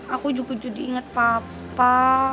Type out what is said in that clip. aku juga jadi inget papa